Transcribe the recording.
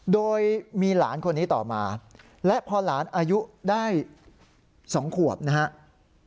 โดยมีหลานคนนี้ต่อมาและพอหลานอายุได้๒ขวบนะครับ